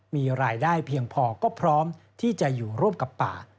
มีรายได้เพียงพอก็พร้อมที่จะอยู่ร่วมกับป่า